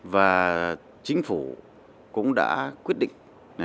và chính phủ cũng đã quyết định